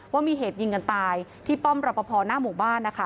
ว่ามีเหตุยิงกันตายที่ป้อมรับประพอหน้าหมู่บ้านนะคะ